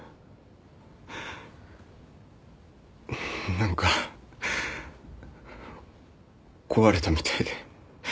何か壊れたみたいで。